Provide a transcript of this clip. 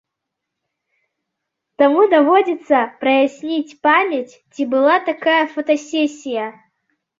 Таму даводзіцца праясніць памяць, ці была такая фотасесія.